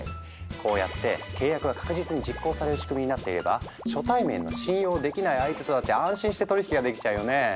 こうやって契約が確実に実行される仕組みになっていれば初対面の信用できない相手とだって安心して取引ができちゃうよね？